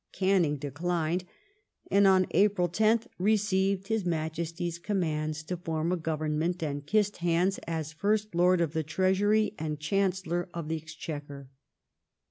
Canning declined, and on April 10th received His Majesty's commands to form a Government, and kissed hands as Fii*st Lord of the Treasury and Chancellor of the Exchequer.